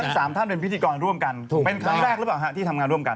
สามท่านเป็นพิธีกรร่วมกันถูกเป็นครั้งแรกหรือเปล่าฮะที่ทำงานร่วมกัน